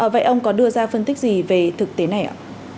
vậy ông có đưa ra phân tích gì về thực tế này ạ